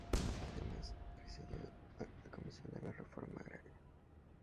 Además presidió la Comisión de la Reforma Agraria.